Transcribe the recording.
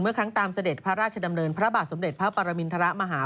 ครั้งตามเสด็จพระราชดำเนินพระบาทสมเด็จพระปรมินทรมาหา